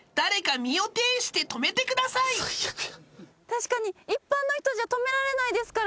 確かに一般の人じゃ止められないですからね。